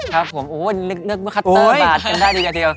ครับผมโอ้ยเลือกคัตเตอร์บาดเป็นได้ดีกว่าที